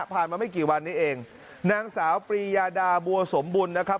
มาไม่กี่วันนี้เองนางสาวปรียาดาบัวสมบุญนะครับ